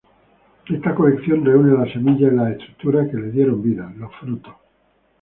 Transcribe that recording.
Esta colección reúne las semillas y las estructuras que les dieron vida: los frutos.